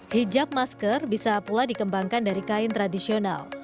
hijab masker bisa pula dikembangkan dari kain tradisional